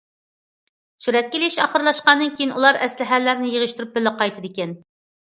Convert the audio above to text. سۈرەتكە ئېلىش ئاخىرلاشقاندىن كېيىن ئۇلار ئەسلىھەلەرنى يىغىشتۇرۇپ بىللە قايتىدىكەن.